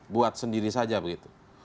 buat sendiri saja begitu